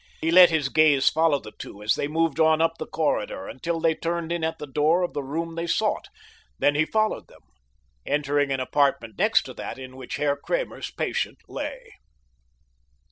He let his gaze follow the two as they moved on up the corridor until they turned in at the door of the room they sought, then he followed them, entering an apartment next to that in which Herr Kramer's patient lay.